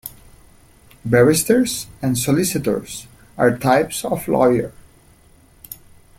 Barristers and solicitors are types of lawyer